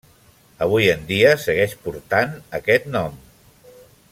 Avui en dia, segueix portant aquest nom.